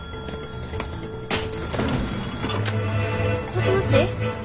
☎もしもし？